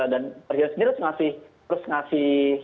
dan presiden sendiri harus ngasih